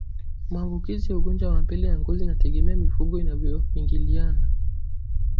Maambukizi ya ugonjwa wa mapele ya ngozi inategemea mifugo ilivyoingiliana